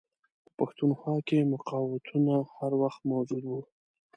په پښتونخوا کې مقاوتونه هر وخت موجود وه.